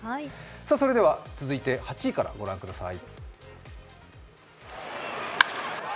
それでは続いて８位からご覧ください。